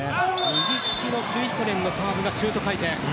右利きのスイヒコネンのサーブがシュート回転。